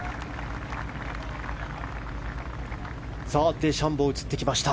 デシャンボー映ってきました。